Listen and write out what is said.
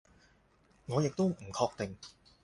我亦都唔確定